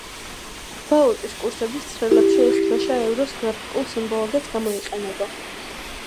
ვალუტის კურსების ცხრილებში ეს დროშა ევროს გრაფიკულ სიმბოლოდაც გამოიყენება.